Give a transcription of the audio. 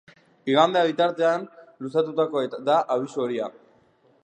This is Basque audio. Igandera bitartean luzatuko da abisu horia.